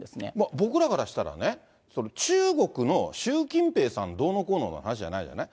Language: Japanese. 僕らからしたらね、中国の習近平さんどうのこうのの話じゃないじゃない？